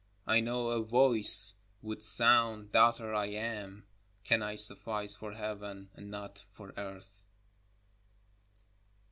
I know a Voice would sound, " Daughter, I AM. Can I suffice for Heaven, and not for earth